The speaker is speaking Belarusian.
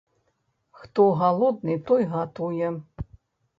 Хто галодны, той гатуе.